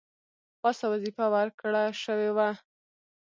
خاصه وظیفه ورکړه شوې وه.